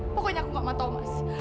pokoknya aku gak mau tau mas